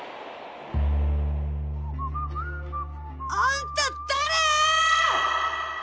あんた誰！？